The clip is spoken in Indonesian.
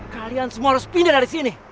kalian semua harus pindah dari sini